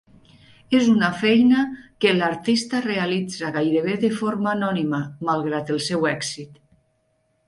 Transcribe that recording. És una feina que l'artista realitza gairebé de forma anònima, malgrat el seu èxit.